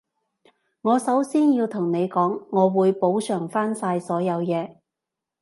我首先要同你講，我會補償返晒所有嘢